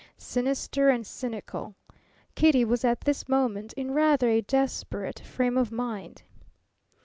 Sinister and cynical. Kitty was at this moment in rather a desperate frame of mind.